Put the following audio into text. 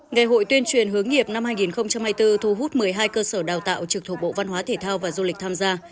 ngày hội tuyên truyền hướng nghiệp năm hai nghìn hai mươi bốn thu hút một mươi hai cơ sở đào tạo trực thuộc bộ văn hóa thể thao và du lịch tham gia